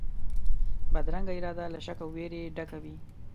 بدرنګه اراده له شک او وېري ډکه وي